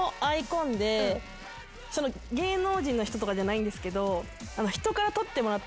芸能人の人とかじゃないんですけど。